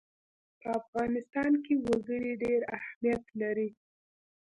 په افغانستان کې وګړي ډېر اهمیت لري.